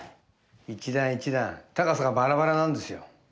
一段一段高さがバラバラなんですよ